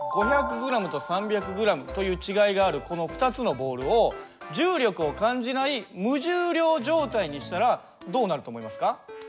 では５００ｇと３００ｇという違いがあるこの２つのボールを重力を感じない無重量状態にしたらどうなると思いますか？